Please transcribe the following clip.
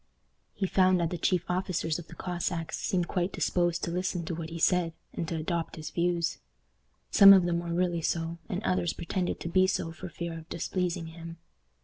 He found that the chief officers of the Cossacks seemed quite disposed to listen to what he said, and to adopt his views. Some of them were really so, and others pretended to be so for fear of displeasing him.